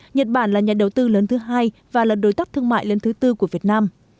nhật bản là nhà đầu tư lớn thứ hai và là đối tác thương mại lớn thứ tư của việt nam